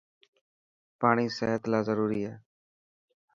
پاڻي صحت لاءِ ضروري هي.